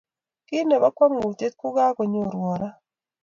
Kit nebo kwangutiet ko ka konyorwa ra